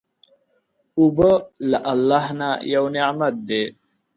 اوبه له الله نه یو نعمت دی.